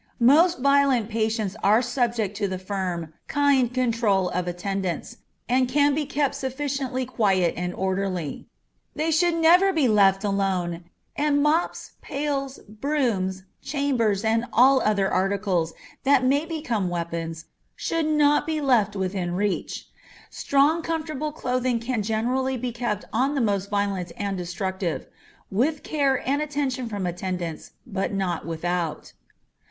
Most violent patients are subject to the firm, kind control of attendants, and can be kept sufficiently quiet and orderly; they should never be left alone, and mops, pails, brooms, chambers, and all other articles, that may become weapons should not be left within reach. Strong comfortable clothing can generally be kept on the most violent and destructive, with care and attention from attendants, but not without.